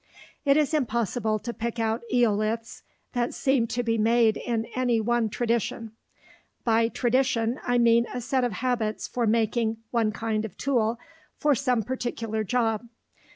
It is impossible to pick out "eoliths" that seem to be made in any one tradition. By "tradition" I mean a set of habits for making one kind of tool for some particular job.